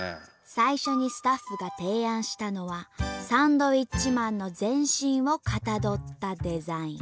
最初にスタッフが提案したのはサンドウィッチマンの全身をかたどったデザイン。